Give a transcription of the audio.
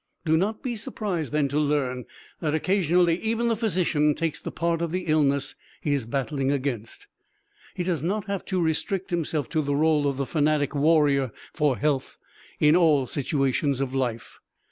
Do not be surprised, then, to learn that occasionally even the physician takes the part of the illness he is battling against. He does not have to restrict himself to the role of the fanatic warrior for health in all situations of life.